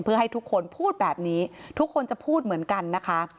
เพื่อให้ทุกคนพูดแบบนี้ทุกคนจะพูดเหมือนกันนะคะ